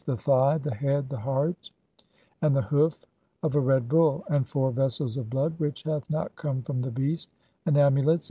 THE THIGH, THE HEAD, THE HEART, AND THE HOOF OF A RED BULL ; (25) AND FOUR VESSELS OF BLOOD WHICH HATH NOT COME FROM THE BREAST ; AND AMULETS